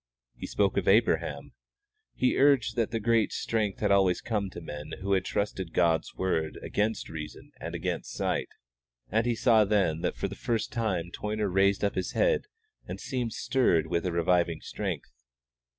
He spoke of Abraham. He urged that the great strength had always come to men who had trusted God's word against reason and against sight. And he saw then that for the first time Toyner raised up his head and seemed stirred with a reviving strength.